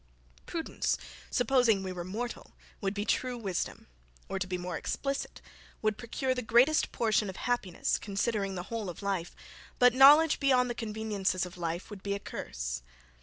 Prudence, supposing we were mortal, would be true wisdom, or, to be more explicit, would procure the greatest portion of happiness, considering the whole of life; but knowledge beyond the conveniences of life would be a curse.